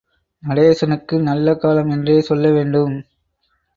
நடேசனுக்கு நல்ல காலம் என்றே சொல்ல வேண்டும்.